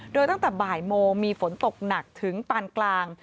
โดยตั้งแต่บ่ายโมงมีฝนตกหนักถึงปานกลาง